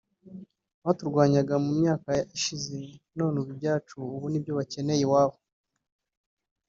Baturwanyaga mu myaka ishize none [ibyacu] ubu nibyo bakeneye iwabo